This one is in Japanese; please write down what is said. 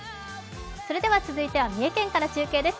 続いては三重県から中継です。